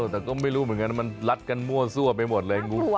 แต่ก็ไม่รู้เหมือนกันมันรัดกันมั่วซั่วไปหมดเลยงู